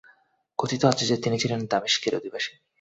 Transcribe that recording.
কথিত আছে যে, তিনি ছিলেন দামিশকের অধিবাসী।